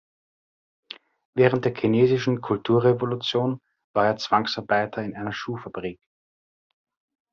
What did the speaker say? Während der chinesischen Kulturrevolution war er Zwangsarbeiter in einer Schuhfabrik.